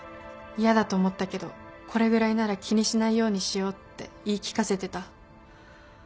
嫌だと思ったけどこれぐらいなら気にしないようにしようって言い聞かせてた。